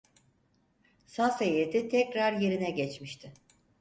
Saz heyeti tekrar yerine geçmişti.